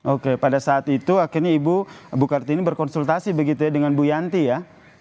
oke pada saat itu akhirnya ibu kartini berkonsultasi begitu ya dengan bu yanti ya